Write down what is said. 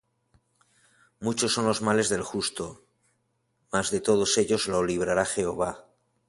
Muchos son los males del justo; Mas de todos ellos lo librará Jehová.